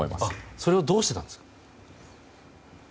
それをどうしていたんですか？